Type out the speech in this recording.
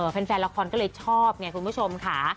เป็นแฟนลักษณ์ก็เลยชอบไงคุณผู้ชมค่ะ